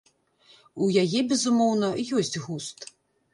У яе, безумоўна, ёсць густ.